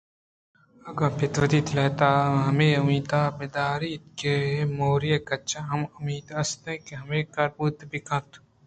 اگاں پت وتی دل ءِ تہا ہمے اُمیتءَبہ داریت کہ موری کچے ہم اُمیت است کہ ہمے کار بوت بہ کنت